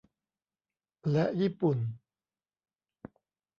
และญี่ปุ่น